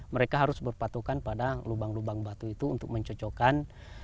mereka harus berpatokan pada lubang lubang batu itu untuk mencocokkan